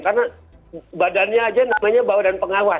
karena badannya aja namanya bawadan pengawas